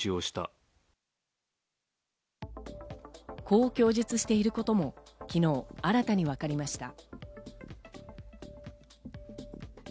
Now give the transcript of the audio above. こう供述していることも昨日新たに分かりました。